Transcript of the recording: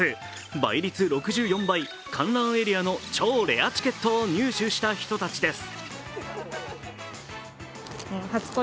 倍率６４倍、観覧エリアの超レアチケットを入手した人たちです。